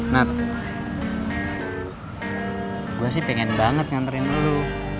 nath gue sih pengen banget nganterin lo